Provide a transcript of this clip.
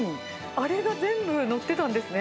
あれが全部載ってたんですね。